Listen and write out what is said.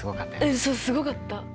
うんそうすごかった！